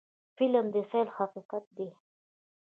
فلم د خیال حقیقت دی